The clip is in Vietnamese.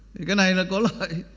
thì cái này là có lợi